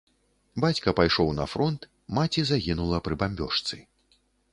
Бацька пайшоў на фронт, маці загінула пры бамбёжцы.